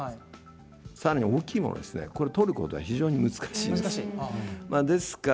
さらに大きいものを取るのが非常に難しいです。